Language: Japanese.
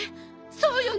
そうよね。